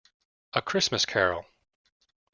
A Christmas Carol.